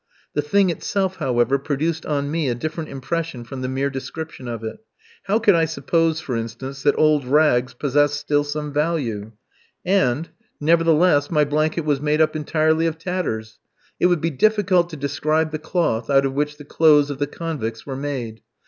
The thing itself, however, produced on me a different impression from the mere description of it. How could I suppose, for instance, that old rags possessed still some value? And, nevertheless, my blanket was made up entirely of tatters. It would be difficult to describe the cloth out of which the clothes of the convicts were made.